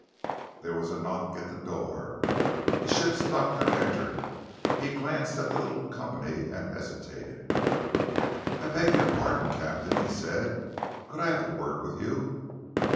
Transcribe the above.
There was a knock at the door. The ship's doctor entered. He glanced at the little company and hesitated. "I beg your pardon, Captain," he said, "could I have a word with you?"